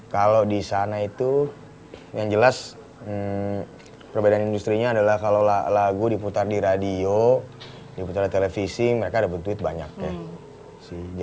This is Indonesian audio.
kalau di sana itu yang jelas perbedaan industri nya adalah kalau lagu diputar di radio diputar di televisi mereka dapet duit banyak ya